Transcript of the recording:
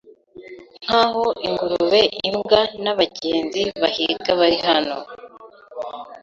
Nkaho ingurube imbwa nabagenzi bahiga bari hano